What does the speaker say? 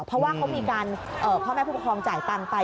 เพราะว่าเขามีการพ่อแม่ผู้ปกครองจ่ายตังค์ไป